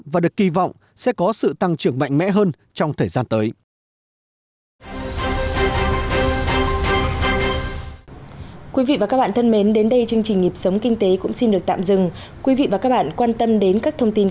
và được kỳ vọng sẽ có sự tăng trưởng mạnh mẽ hơn trong thời gian tới